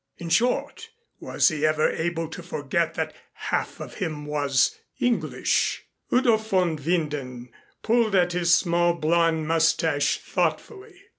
In short was he ever able to forget that half of him was English?" Udo von Winden pulled at his small blond mustache thoughtfully.